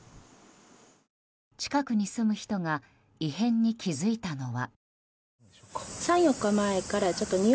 近くに住む人が異変に気付いたのは。